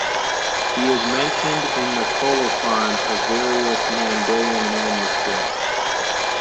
He is mentioned in the colophons of various Mandaean manuscripts.